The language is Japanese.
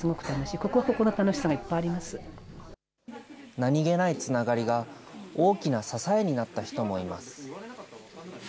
何気ないつながりが、大きな支えになった人もいます。